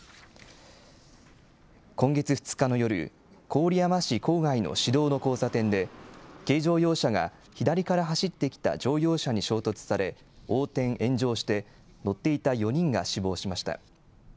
今月２日の夜、郡山市郊外の市道の交差点で、軽乗用車が左から走ってきた乗用車に衝突され、横転・炎上して、乗っていた４人が死亡しました。